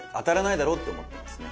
て思ってますね。